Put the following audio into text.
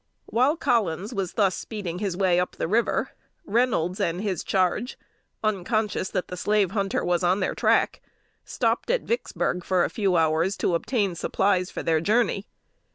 While Collins was thus speeding his way up the river, Reynolds and his charge, unconscious that the slave hunter was on their track, stopped at Vicksburg for a few hours to obtain supplies for their journey.